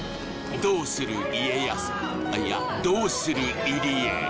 どうする家康あいやどうする入江？